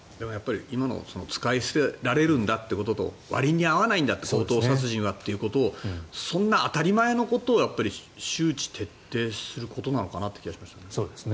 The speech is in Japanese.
今の使い捨てられるんだってことと割に合わないんだ強盗殺人だということをそんな当たり前のことを周知徹底することなのかなという気がしましたね。